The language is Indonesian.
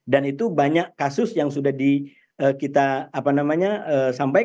dan itu banyak kasus terjadi